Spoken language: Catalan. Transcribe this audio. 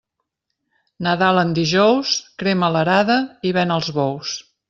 Nadal en dijous, crema l'arada i ven els bous.